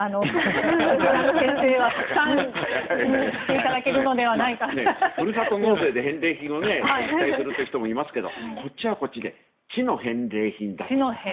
池上先生はたくさんしていただけるのではないかと。ふるさと納税で返礼品を期待する人もいますがこっちはこっちで知の返礼品だと。